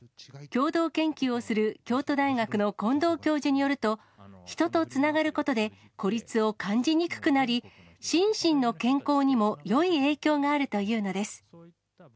共同研究をする京都大学の近藤教授によると、人とつながることで、孤立を感じにくくなり、心身の健康にもよい影響があるというのです。